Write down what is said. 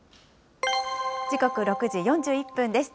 時刻６時４１分です。